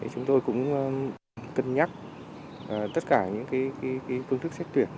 chúng tôi cũng cân nhắc tất cả những phương thức xét tuyển